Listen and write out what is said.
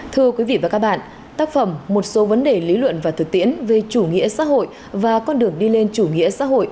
thưa quý vị và các bạn tác phẩm một số vấn đề lý luận và thực tiễn về chủ nghĩa xã hội và con đường đi lên chủ nghĩa xã hội